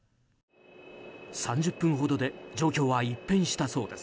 ３０分ほどで状況は一変したそうです。